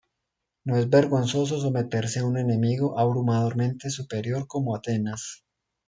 No es vergonzoso someterse a un enemigo abrumadoramente superior como Atenas.